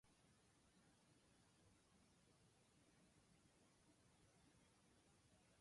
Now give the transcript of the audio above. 体の弱いお父さんまで、いくさに行かなければならないなんて。